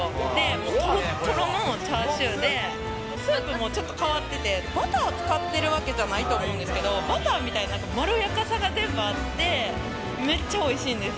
もうとろっとろのチャーシューで、スープもちょっと変わってて、バター使っているわけじゃないと思うんですけど、バターみたいな、なんかまろやかさが全部あって、めっちゃおいしいんです。